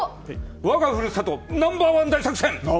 我がふるさとナンバー１大作戦！